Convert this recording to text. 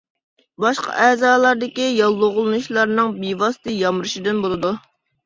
باشقا ئەزالاردىكى ياللۇغلىنىشلارنىڭ بىۋاسىتە يامرىشىدىن بولىدۇ.